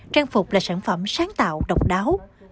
trang phục là sản phẩm sáng tạo độc đáo